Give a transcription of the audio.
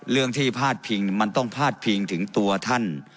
เรื่องที่พาดพิงมันต้องพาดพิงถึงตัวท่าน